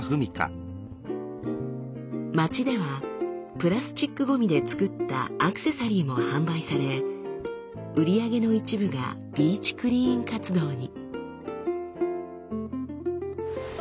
街ではプラスチックゴミで作ったアクセサリーも販売され売り上げの一部がビーチクリーン活動に。